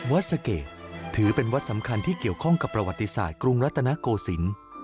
สะเกดถือเป็นวัดสำคัญที่เกี่ยวข้องกับประวัติศาสตร์กรุงรัตนโกศิลป์